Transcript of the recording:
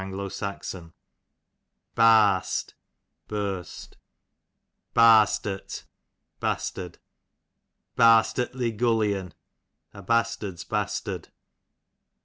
S. Barst, burst. Bastert, bastard. Bastertly gullion, a bastard's bas tard.